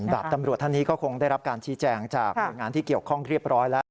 ดาบตำรวจท่านนี้ก็คงได้รับการชี้แจงจากหน่วยงานที่เกี่ยวข้องเรียบร้อยแล้ว